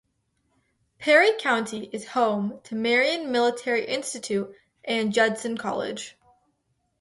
Perry County is home to Marion Military Institute and Judson College.